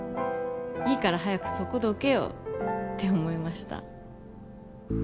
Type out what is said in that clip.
いいから早くそこどけよって思いました。